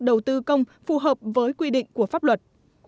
đầu tư công phù hợp với quy định của pháp luật